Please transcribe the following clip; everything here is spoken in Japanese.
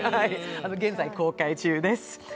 現在、公開中です。